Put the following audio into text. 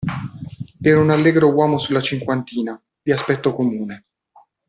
Era un allegro uomo sulla cinquantina, di aspetto comune.